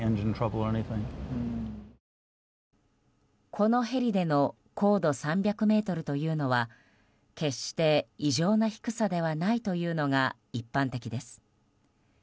このヘリでの高度３００ｍというのは決して異常な低さではないというのが一般的です。